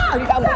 apaan sih mereka